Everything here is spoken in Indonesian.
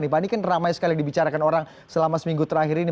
pak ini kan ramai sekali dibicarakan orang selama seminggu terakhir ini